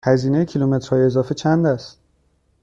هزینه کیلومترهای اضافه چند است؟